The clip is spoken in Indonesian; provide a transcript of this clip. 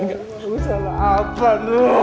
kau salah apa nuh